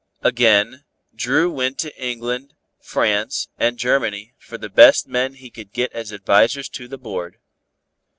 Again, Dru went to England, France and Germany for the best men he could get as advisers to the board.